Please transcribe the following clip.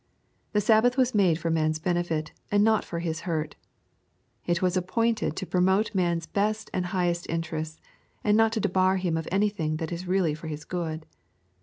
The Sabbath was made for man's benefit, and not fci his hurt. It was appointed to promote man's best and highest interests, and not to debar him of anything that is really for his good.